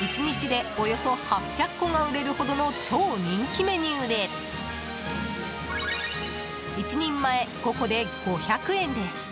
１日で、およそ８００個が売れるほどの超人気メニューで１人前、５個で５００円です。